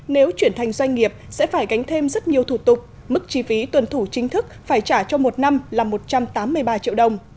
nếu chuyển thành doanh nghiệp sẽ phải gánh thêm rất nhiều thủ tục mức chi phí tuần thủ chính thức phải trả cho một năm là một trăm tám mươi ba triệu đồng